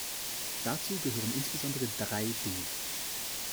Dazu gehören insbesondere drei Dinge.